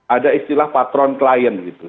ada istilah patron klien gitu